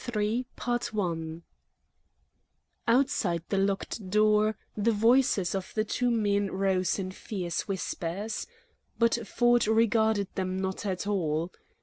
he said III Outside the locked door the voices of the two men rose in fierce whispers. But Ford regarded them not at all.